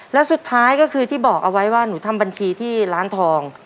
แล้วสุดท้ายก็คือที่บอกเอาไว้ว่าหนูทำบัญชีที่ร้านทอง